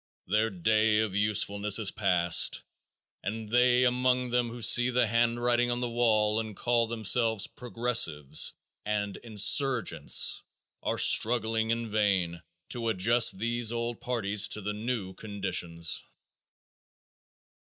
Their day of usefulness is past and they among them who see the handwriting on the wall and call themselves "Progressives" and "Insurgents," are struggling in vain to adjust these old parties to the new conditions.